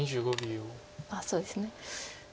まあそうですね。